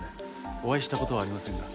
お会いした事はありませんが。